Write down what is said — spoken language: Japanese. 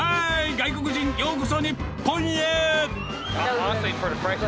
外国人、ようこそ日本へ。